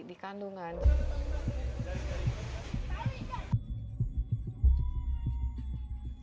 jadi kalau kita melihatnya kita bisa mengatakan bahwa ini adalah penyakit yang sangat penting